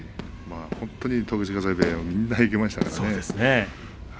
本当に時津風部屋みんないきましたからね。